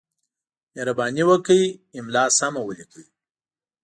مهرباني وکړئ! املا سمه ولیکئ!